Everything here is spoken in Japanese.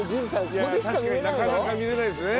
確かになかなか見られないですね。